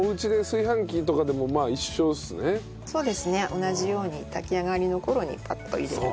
同じように炊き上がりの頃にパッと入れる。